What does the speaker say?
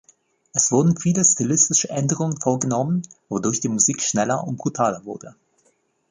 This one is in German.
Es wurden viele stilistische Änderungen vorgenommen, wodurch die Musik schneller und brutaler wurde.